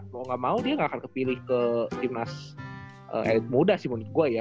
mau gak mau dia nggak akan kepilih ke timnas elit muda sih menurut gue ya